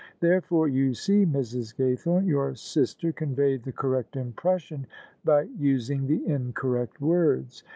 "Therefore you see, Mrs. Gaythorne, your sister conveyed the correct im pression by using the incorrect words.